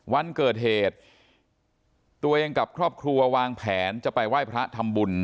วันเกิดเหตุตัวเองกับครอบครัววางแผนจะไปไหว้พระทำบุญ